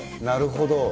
なるほど。